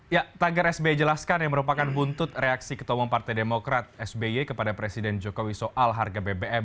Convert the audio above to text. ya tagar sby jelaskan yang merupakan buntut reaksi ketua umum partai demokrat sby kepada presiden jokowi soal harga bbm